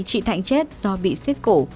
chị thạnh chết do bị xiết cổ